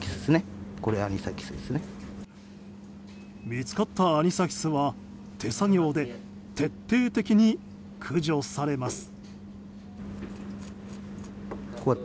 見つかったアニサキスは手作業で徹底的に駆除されます。